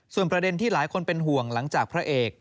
ส่วนประเด็นที่หลายคนเป็นห่วงหลังจากพระเอก